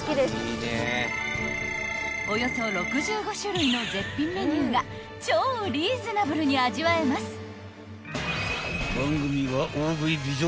［およそ６５種類の絶品メニューが超リーズナブルに味わえます！］